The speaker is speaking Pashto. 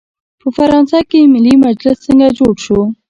په فرانسه کې ملي مجلس څنګه جوړ شو؟